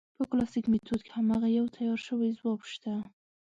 په کلاسیک میتود کې هماغه یو تیار شوی ځواب شته.